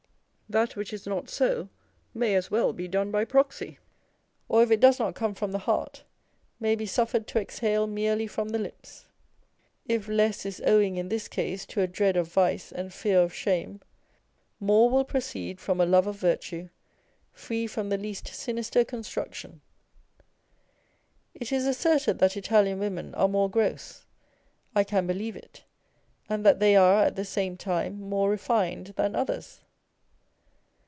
That which is not so may as well be done by proxy ; or if it does not come from the heart, may be suffered to exhale merely from the lips. If less is owing in this case , to a dread of vice and fear of shame, more will proceed from a love of virtue, free from the least sinister construc tion. It is asserted that Italian women 'are more gross ; I can believe it, and that they are at the same time more refined than others.